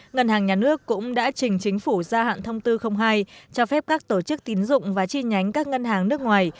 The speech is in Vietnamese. ngân hàng nhà nước cũng đã trình chính phủ gia hạn thông tư hai cho phép các tổ chức tín dụng và chi nhánh các ngân hàng nước ngoài